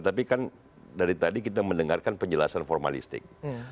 tapi kan dari tadi kita mendengarkan penjelasan formalistik